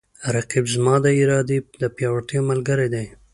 رقیب زما د ارادې د پیاوړتیا ملګری دی